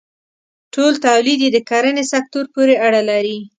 ټول تولید یې د کرنې سکتور پورې اړه لري.